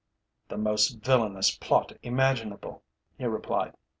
"The most villainous plot, imaginable," he replied.